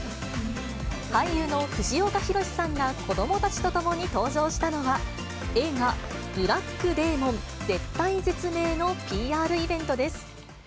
俳優の藤岡弘、さんが、子どもたちと共に登場したのは、映画、ブラック・デーモン絶体絶命のＰＲイベントです。